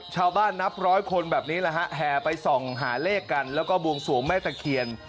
ชาวบ้านนับร้อยคนแบบนี้แห่ไปส่องหาเลขกันแล้วก็บวงสวงแม่ตะเขียน